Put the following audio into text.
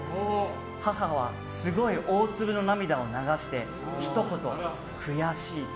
母は、すごい大粒の涙を流してひと言、悔しいと。